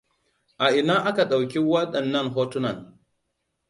A ina aka dauki wadannan hotunan?